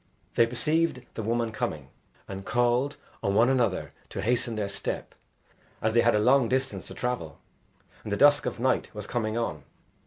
They perceived the woman coming, and called on one another to hasten their step as they had a long distance to travel, and the dusk of night was coming on.